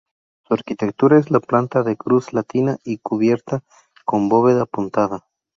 Su arquitectura es de planta de cruz latina y cubierta con bóveda apuntada.